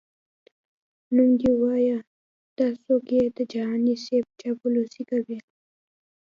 نوم دي وایه دا څوک یې د جهاني صیب چاپلوسي کوي؟🤧🧐